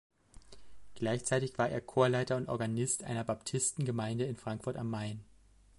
Gleichzeitig war er Chorleiter und Organist einer Baptistengemeinde in Frankfurt am Main.